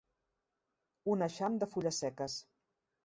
Un eixam de fulles seques.